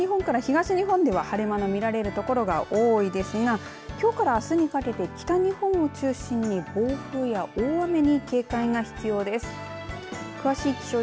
さあ、きょう、このあとも西日本から東日本では晴れ間の見られるところが多いですがきょうからあすにかけて北日本を中心に暴風や大雨に警戒が必要です。